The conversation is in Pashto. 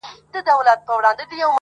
د وجود ساز ته یې رگونه له شرابو جوړ کړل.